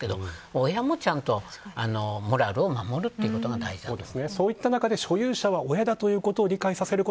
親も、ちゃんとモラルを守ることが大事です。